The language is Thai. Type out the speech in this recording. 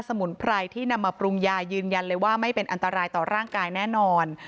มุนไพรที่นำมาปรุงยายืนยันเลยว่าไม่เป็นอันตรายต่อร่างกายแน่นอน